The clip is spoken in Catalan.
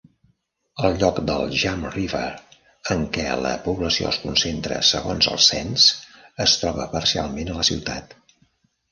El lloc del Jump River en què la població es concentra segons el cens es troba parcialment a la ciutat.